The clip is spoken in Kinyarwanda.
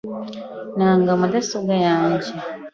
Nanga mudasobwa yanjye .